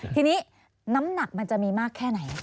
ทีนี้น้ำหนักมันจะมีมากแค่ไหน